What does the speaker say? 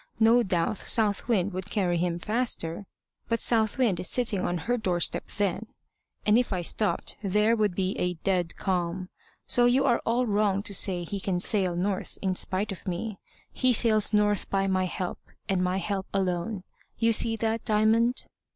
No doubt South Wind would carry him faster, but South Wind is sitting on her doorstep then, and if I stopped there would be a dead calm. So you are all wrong to say he can sail north in spite of me; he sails north by my help, and my help alone. You see that, Diamond?"